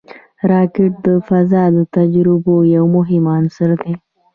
راکټ د فضا د تجربو یو مهم عنصر دی